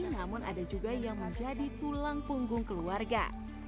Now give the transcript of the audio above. namun ada juga yang menjadi tulang punggung keluarga